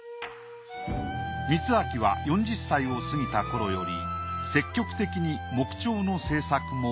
光明は４０歳を過ぎた頃より積極的に木彫の制作も開始。